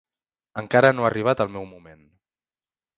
Encara no ha arribat el meu moment.